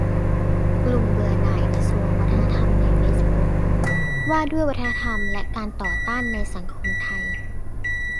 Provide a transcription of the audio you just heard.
"กลุ่มเบื่อหน่ายกระทรวงวัฒนธรรมในเฟซบุ๊ก : ว่าด้วยวัฒนธรรมและการต่อต้านในสังคมไทย"